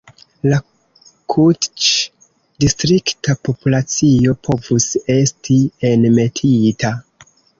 La kutĉ-distrikta populacio povus esti enmetita.